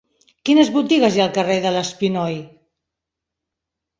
Quines botigues hi ha al carrer de l'Espinoi?